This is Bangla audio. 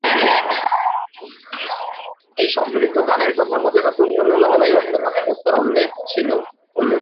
এই সম্মিলিত গানের কথার মধ্যে রাসূল সাল্লাল্লাহু আলাইহি ওয়াসাল্লাম-এর হত্যার উল্লেখও ছিল।